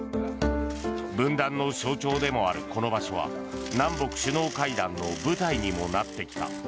分断の象徴でもあるこの場所は南北首脳会談の舞台にもなってきた。